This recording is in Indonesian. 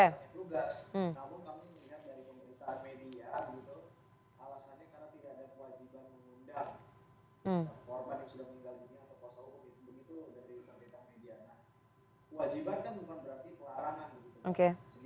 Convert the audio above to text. segitu dulu mbak